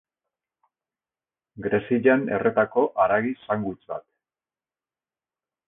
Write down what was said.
Gresillan erretako haragi sandwich bat.